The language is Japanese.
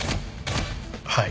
はい。